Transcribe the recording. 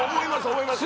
思います